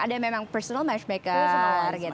ada yang memang personal matchmaker gitu kan